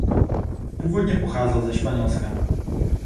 Původně pocházel ze Španělska.